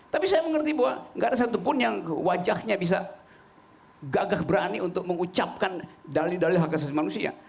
tapi saya mengerti bahwa gak ada satupun yang wajahnya bisa gagah berani untuk mengucapkan dalil dalil hak asasi manusia